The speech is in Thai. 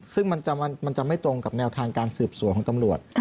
ซึ่งมันจะไม่ตรงกับแนวทางการสืบสวนของตำรวจ